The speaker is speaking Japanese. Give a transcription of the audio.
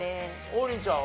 王林ちゃんは？